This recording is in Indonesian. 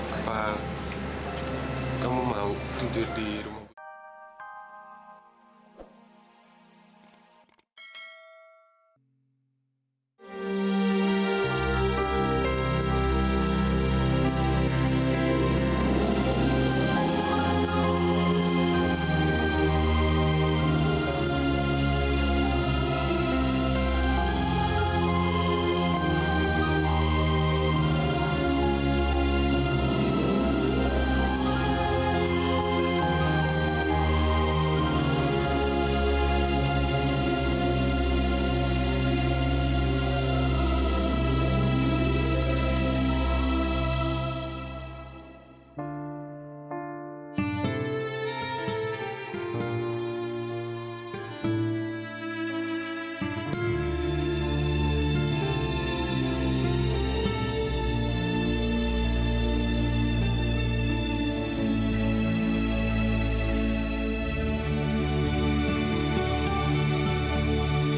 apa kamu mau tidur di rumah